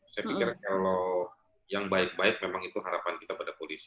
saya pikir kalau yang baik baik memang itu harapan kita pada polisi